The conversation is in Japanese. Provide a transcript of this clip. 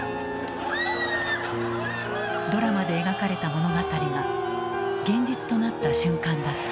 ドラマで描かれた物語が現実となった瞬間だった。